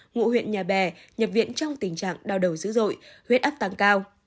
ngụ huyện nhà bè nhập viện trong tình trạng đau đầu dữ dội huyết áp tăng cao